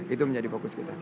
itu menjadi fokus kita